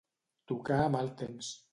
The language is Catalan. Tocar a mal temps.